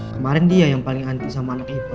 kemarin dia yang paling anti sama nona bella ya